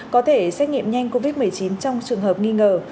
có thể xét nghiệm nhanh covid một mươi chín trong trường hợp nghi ngờ